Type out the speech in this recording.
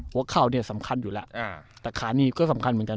เข่าเนี่ยสำคัญอยู่แล้วแต่ขานีก็สำคัญเหมือนกัน